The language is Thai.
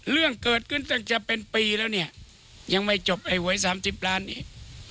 เรื่องเกิดขึ้นตั้งจะเป็นปีแล้วเนี่ยยังไม่จบไอ้หวย๓๐ล้านอีก